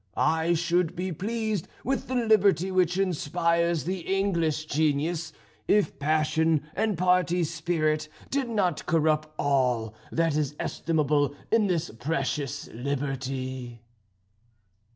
I should be pleased with the liberty which inspires the English genius if passion and party spirit did not corrupt all that is estimable in this precious liberty."